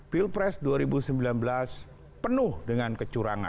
pilpres dua ribu sembilan belas penuh dengan kecurangan